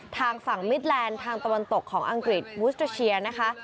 ทางฝั่งมิดแลนด์ทางตะวันตกของอังกฤษวุสเตอร์เชียนะคะ